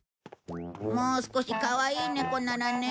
もう少しかわいい猫ならね。